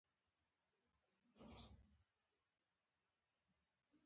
بایولوژېسټان ژوندي موجودات په ډولونو وېشي.